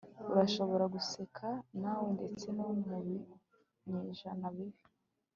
Urashobora guseka nawe ndetse no mu binyejana bibi